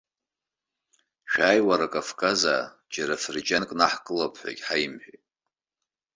Шәааи, уара, кавказаа, џьара фырџьанқәак наҳкылап ҳәагьы ҳаимҳәеит.